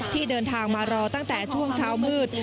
ที่เดินทางมารอตั้งแต่ช่วงเช้ามืด